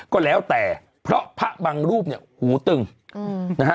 ก็แล้วแต่เพราะพระบางรูปเนี่ยหูตึงนะฮะ